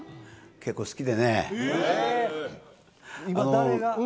結構好きでね。